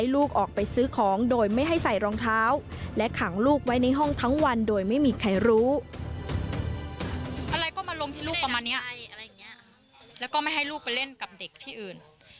แล้วก็ไม่ให้ลูกไปเล่นกับเด็กที่อื่น